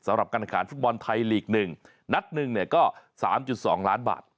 สำหรับการอาคารฟุตบอลไทยลีก๑นัดหนึ่งก็๓๒ล้านบาท